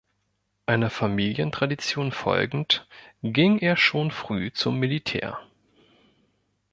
Einer Familientradition folgend ging er schon früh zum Militär.